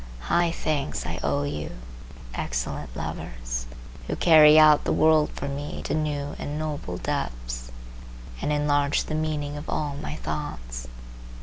High thanks I owe you, excellent lovers, who carry out the world for me to new and noble depths, and enlarge the meaning of all my thoughts.